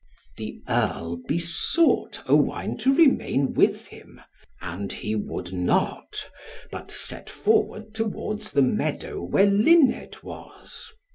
The Earl besought Owain to remain with him, and he would not, but set forward towards the meadow, where Luned was.